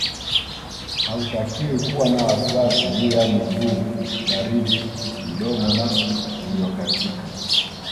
Hautakiwi kuwa na wasiwasi juu ya miguu baridi mdomo na uliokatika